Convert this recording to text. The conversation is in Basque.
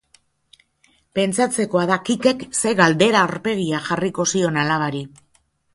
Pentsatzekoa da Kikek zer galdera-aurpegia jarriko zion alabari.